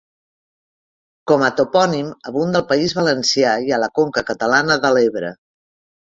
Com a topònim, abunda al País Valencià i a la conca catalana de l'Ebre.